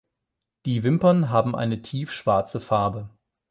Die Wimpern haben eine tief schwarze Farbe.